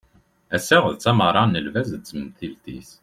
Ass-a d tameɣra n lbaz d temtilt-is